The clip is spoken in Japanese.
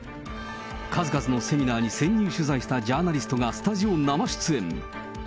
数々のセミナーに潜入取材したジャーナリストがスタジオ生出演。